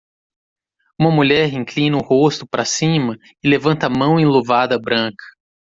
Uma mulher inclina o rosto para cima e levanta a mão enluvada branca